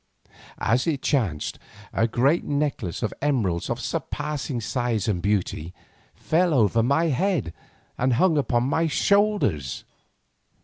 As it chanced, a great necklace of emeralds of surpassing size and beauty fell over my head and hung upon my shoulders.